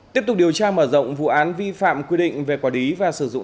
tiếp tục điều tra mở rộng vụ án vi phạm quy định về quản lý và sử dụng